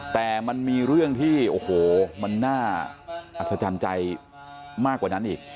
แต่มันมีเรื่องที่โอ้โหมันน่าอัศจรรย์ใจมากกว่านั้นอีก